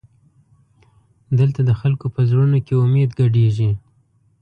دلته د خلکو په زړونو کې امید ګډېږي.